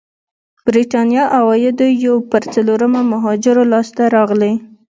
برېتانيا عوايدو یو پر څلورمه مهاجرو لاسته راغلي.